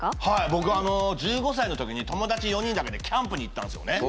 僕、１５歳のときに、友達４人だけでキャンプに行ったんですよね。